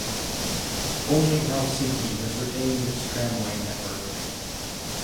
Only Helsinki has retained its tramway network.